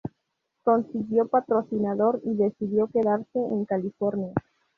Consiguió patrocinador y decidió quedarse en California.